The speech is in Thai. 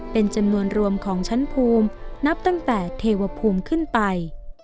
เป็นจำนวนรวมของชั้นภูมินับตั้งแต่เทวภูมิขึ้นไป